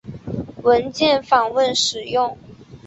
文件访问使用。